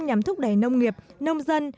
nhằm thúc đẩy nông nghiệp nông dân